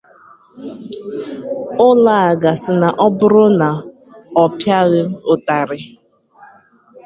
Ụlaga sị na ọ bụrụ na ọ pịaghị ụtarị